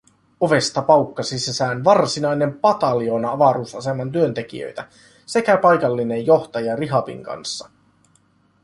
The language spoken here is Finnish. Ovesta paukkasi sisään varsinainen pataljoona avaruusaseman työntekijöitä sekä paikallinen johtaja Rihabin kanssa.